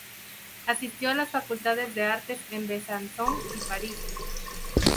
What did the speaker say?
Asistió a las facultades de artes en Besanzón y París.